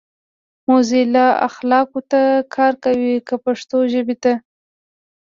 موزیلا اخلاقو ته کار کوي کۀ پښتو ژبې ته؟